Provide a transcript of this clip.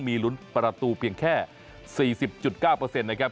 มีลุ้นประตูเพียงแค่๔๐๙นะครับ